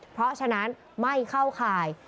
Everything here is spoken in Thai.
เพราะฉะนั้นไม่เข้าข่าย